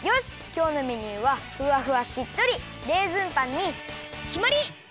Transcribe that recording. きょうのメニューはふわふわしっとりレーズンパンにきまり！